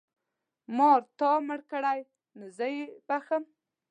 مار تا مړ کړی نو زه یې بښم.